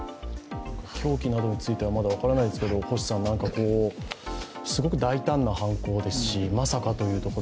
凶器などについてはまだ分からないですけど、すごく大胆な犯行ですし、まさかというところ。